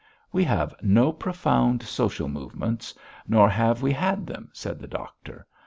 "We have no profound social movements; nor have we had them," said the doctor.